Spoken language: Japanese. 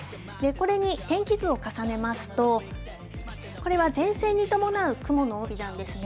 これに天気図を重ねますと、これは前線に伴う雲の帯なんですね。